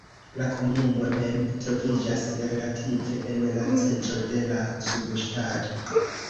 La komunumo mem troviĝas relative en la centro de la subŝtato.